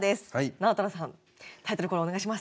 直太朗さんタイトルコールお願いします。